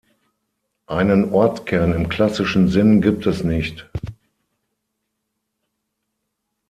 Einen Ortskern im klassischen Sinn gibt es nicht.